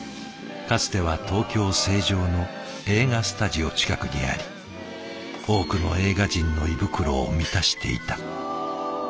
かつては東京・成城の映画スタジオ近くにあり多くの映画人の胃袋を満たしていた。